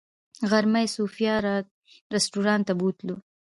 غرمه یې صوفیا رسټورانټ ته بوتلو.